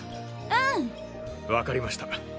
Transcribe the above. うん。わかりました。